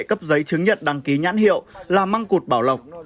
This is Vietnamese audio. cấp giấy chứng nhận đăng ký nhãn hiệu là măng cụt bảo lộc